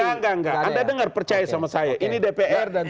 enggak enggak anda dengar percaya sama saya ini dpr dan dpr